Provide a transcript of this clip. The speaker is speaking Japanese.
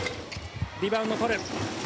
リバウンド、取る。